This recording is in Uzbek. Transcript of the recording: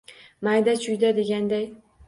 Mayda-chuyda deganday